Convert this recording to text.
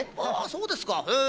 そうですかへえ。